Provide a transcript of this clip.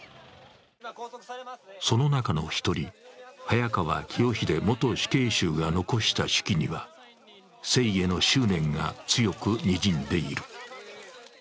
その中の一人、早川紀代秀元死刑囚が残した手記には生への執念が強くにじんでいる。